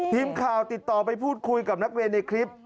ทีมข่าวติดต่อไปพูดคุยกับนักเรียนในคลิป